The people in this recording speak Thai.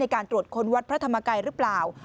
การตรวจค้นวัดพระธรรมกายหรือเปล่า